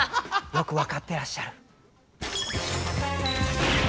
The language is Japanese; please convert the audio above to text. よく分かってらっしゃる。